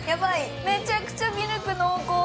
めちゃくちゃミルク濃厚！